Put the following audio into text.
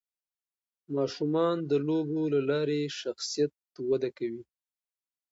ماشومان د لوبو له لارې شخصیت وده کوي.